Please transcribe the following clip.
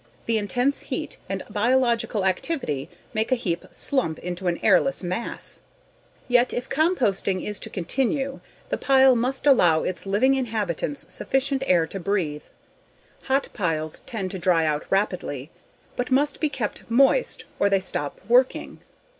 The intense heat and biological activity make a heap slump into an airless mass, yet if composting is to continue the pile must allow its living inhabitants sufficient air to breath. Hot piles tend to dry out rapidly, but must be kept moist or they stop working.